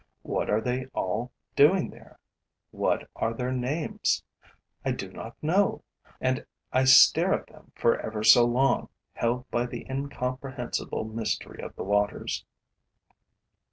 What are they all doing there? What are their names? I do not know. And I stare at them for ever so long, held by the incomprehensible mystery of the waters.